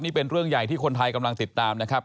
นี่เป็นเรื่องใหญ่ที่คนไทยกำลังติดตามนะครับ